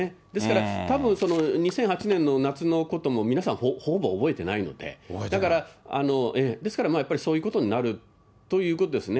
たぶん２００８年の夏のことも皆さん、ほぼ覚えてないので、だから、ですから、そういうことになるということですね。